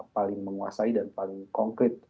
paling menguasai dan paling konkret